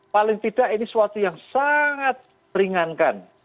paling tidak ini suatu yang sangat ringankan